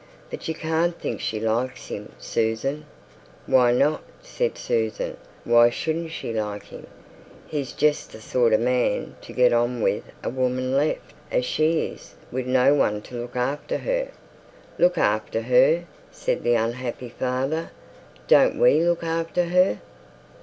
'But you can't think she likes him, Susan?' 'Why not?' said Susan. 'Why shouldn't she like him? He's just the sort of man to get on with a woman left as she is, with no one to look after her.' 'Look after her!' said the unhappy father; 'don't we look after her?'